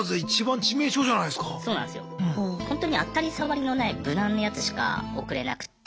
ほんとに当たり障りのない無難なやつしか送れなくって。